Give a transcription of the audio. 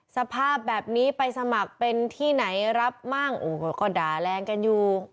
สภาพแบบนี้ไปสมัครเป็นที่ไหนรับมั่งก็ด่าแรงกันอยู่